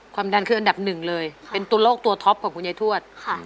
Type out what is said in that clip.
ความดันคืออันดับหนึ่งเลยเป็นตัวโลกตัวท็อปของคุณยายทวดค่ะ